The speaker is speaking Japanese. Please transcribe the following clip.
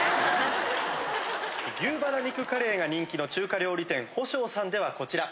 牛バラ肉カレーが人気の中華料理店保昌さんではこちら。